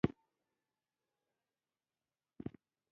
چې دوى اصلاً د اسلام د ختمولو لپاره راغلي دي.